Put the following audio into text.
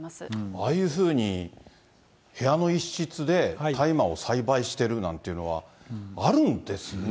ああいうふうに部屋の一室で大麻を栽培してるなんていうのは、あるんですね。